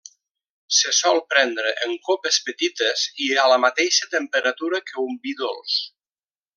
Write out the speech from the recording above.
Se sol prendre en copes petites i a la mateixa temperatura que un vi dolç.